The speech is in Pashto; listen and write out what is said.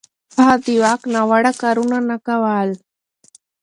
هغه د واک ناوړه کارونه نه کول.